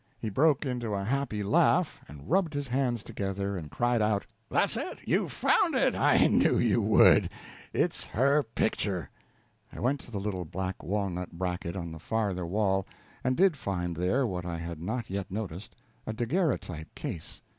He broke into a happy laugh, and rubbed his hands together, and cried out: "That's it! You've found it. I knew you would. It's her picture." I went to the little black walnut bracket on the farther wall, and did find there what I had not yet noticed a daguerreotype case.